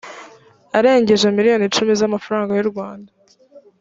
arengeje miliyoni icumi z amafaranga y urwanda